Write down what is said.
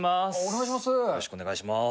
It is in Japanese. お願いします。